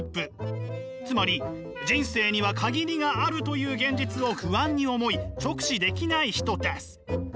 つまり人生には限りがあるという現実を不安に思い直視できない人です。